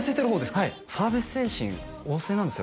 はいサービス精神旺盛なんですよ